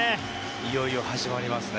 いよいよ始まりますね。